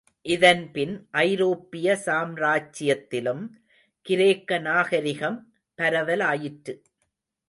இதன்பின் ஐரோப்பிய சாம்ராச்சியத்திலும் கிரேக்க நாகரிகம் பரவலாயிற்று.